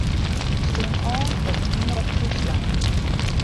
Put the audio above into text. Stim ôf op Omrop Fryslân.